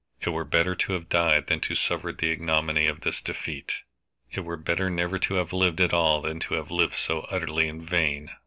It were better to have died than to suffer the ignominy of this defeat. It were better never to have lived at all than to have lived so utterly in vain.